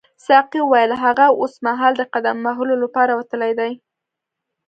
ساقي وویل هغه اوسمهال د قدم وهلو لپاره وتلی دی.